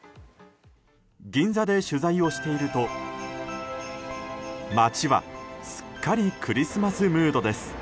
銀座で取材をしていると街はすっかりクリスマスムードです。